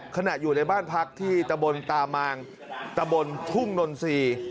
อยู่ในบ้านพักที่ตะบนตามางตะบนทุ่งนนทรีย์